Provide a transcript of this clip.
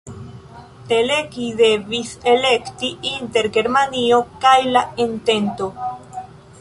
Teleki devis elekti inter Germanio kaj la entento.